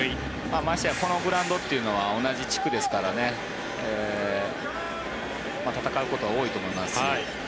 ましてやこのグラウンドというのは同じ地区ですから戦うことは多いと思いますし。